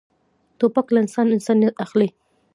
توپک له انسانه انسانیت اخلي.